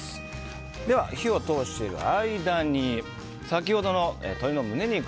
では火を通している間に先ほどの鶏の胸肉。